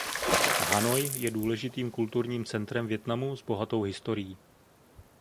Hanoj je důležitým kulturním centrem Vietnamu s bohatou historií.